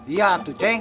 iya tuh ceng